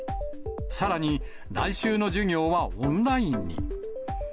さらに来週の授業はオンラインに。